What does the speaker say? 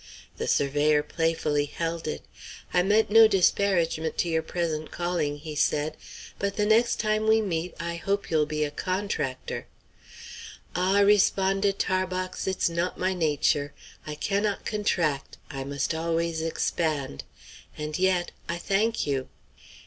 The surveyor playfully held it. "I mean no disparagement to your present calling," he said, "but the next time we meet I hope you'll be a contractor." "Ah!" responded Tarbox, "it's not my nature. I cannot contract; I must always expand. And yet I thank you.